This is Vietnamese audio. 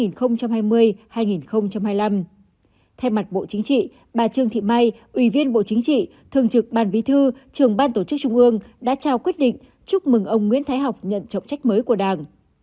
thay mặt bộ chính trị bà trương thị mai ủy viên bộ chính trị thường trực ban bí thư trường ban tổ chức trung ương đã trao quyết định chúc mừng ông nguyễn thái học nhận trọng trách mới của đảng